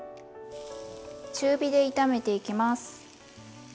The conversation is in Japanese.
中火で炒めていきます。